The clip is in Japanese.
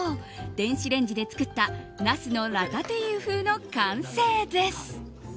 電子レンジで作ったナスのラタトゥイユ風の完成です。